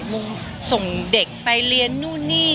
ส่งเด็กไปเรียนนู่นนี่